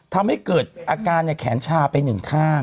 ทำให้เกิดอาการแขนชาไปหนึ่งข้าง